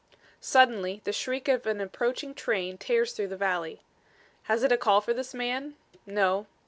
Suddenly the shriek of an approaching train tears through the valley. Has it a call for this man? No.